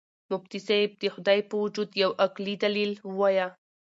مفتي صاحب د خدای په وجود یو عقلي دلیل ووایه.